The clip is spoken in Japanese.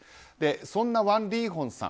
そんなワン・リーホンさん